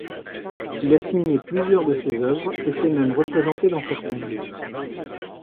Il a signé plusieurs de ses œuvres et s'est même représenté dans certaines.